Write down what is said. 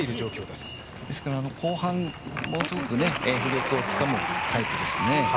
ですから後半ものすごく浮力をつかむタイプですね。